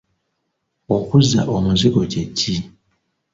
Okuzza omuzigo kye ki?